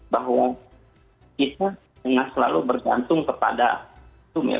bahwa kita tidak selalu bergantung kepada sum ya